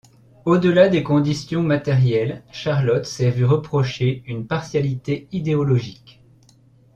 Au-delà des conditions matérielles, Charlotte s'est vu reprocher une partialité idéologique.